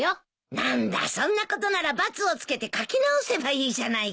何だそんなことなら×を付けて書き直せばいいじゃないか。